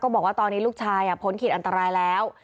บอกว่าตอนนี้ลูกชายพ้นขีดอันตรายแล้ว